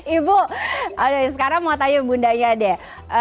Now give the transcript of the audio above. ibu oke sekarang mau tanya bundanya deh